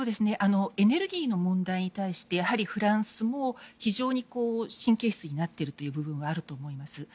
エネルギーの問題に対してフランスも非常に神経質になっている部分があると思います。